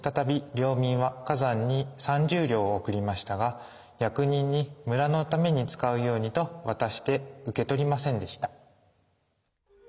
領民は崋山に三十両を贈りましたが役人に「村のために使うように」と渡して受け取りませんでした。